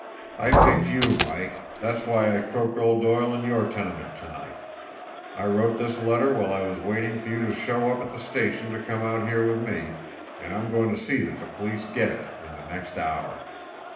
I picked you, Mike that's why I croaked old Doyle in your tenement to night. I wrote this letter while I was waiting for you to show up at the station to come out here with me, and I'm going to see that the police get it in the next hour.